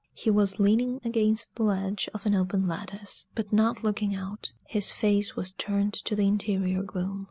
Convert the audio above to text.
He was leaning against the ledge of an open lattice, but not looking out; his face was turned to the interior gloom.